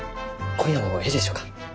今夜もえいでしょうか？